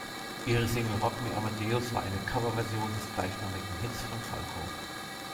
Ihre Single "Rock Me Amadeus" war eine Coverversion des gleichnamigen Hits von Falco.